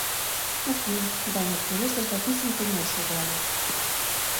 — Уке, — Даник пелештыш да писын кынел шогале.